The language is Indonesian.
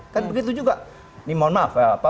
kan begitu juga ini mohon maaf